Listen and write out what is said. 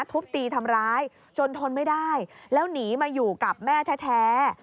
ทุบตีทำร้ายจนทนไม่ได้แล้วหนีมาอยู่กับแม่แท้